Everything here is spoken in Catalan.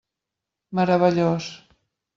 Meravellós.